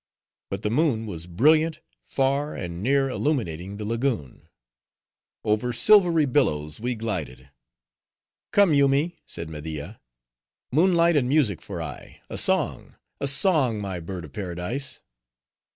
But the moon was brilliant, far and near illuminating the lagoon. Over silvery billows we glided. "Come Yoomy," said Media, "moonlight and music for aye—a song! a song! my bird of paradise."